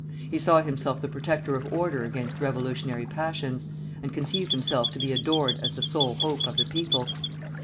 He saw himself the protector of order against revolutionary passions, and conceived himself to be adored as the sole hope of the people.